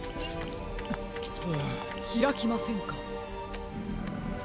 ひらきませんか。